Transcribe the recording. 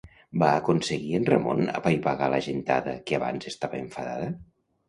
Va aconseguir en Ramon apaivagar la gentada que abans estava enfadada?